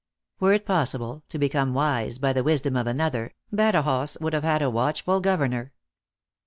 Were it possible to become wise by the wisdom of another, Badajos would have had a watch ful governor.